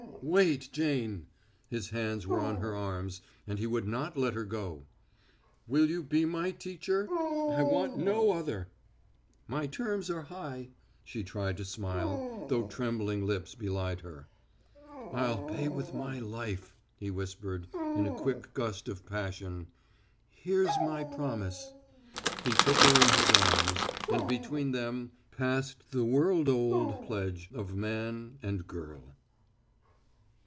"Wait, Jane!" His hands were on her arms, and he would not let her go. "Will you be my teacher? I want no other." "My terms are high." She tried to smile, though trembling lips belied her. "I'd pay with my life," he whispered in a quick gust of passion. "Here's my promise " He took her in his arms, and between them passed the world old pledge of man and girl.